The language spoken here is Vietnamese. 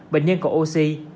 bệnh nhân có oxy